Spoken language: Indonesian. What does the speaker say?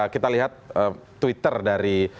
kita lihat twitter dari